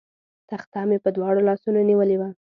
تخته مې په دواړو لاسونو نیولې وه.